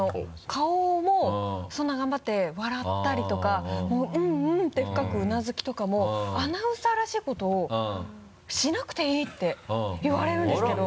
顔もそんな頑張って笑ったりとかもう「うんうん」って深くうなずきとかもアナウンサーらしいことをしなくていいって言われるんですけど。